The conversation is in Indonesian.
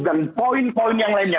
dan poin poin yang lainnya